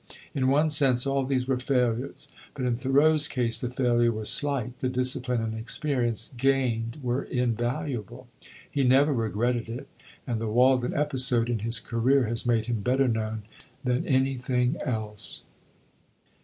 In one sense, all these were failures; but in Thoreau's case the failure was slight, the discipline and experience gained were invaluable. He never regretted it, and the Walden episode in his career has made him better known than anything else.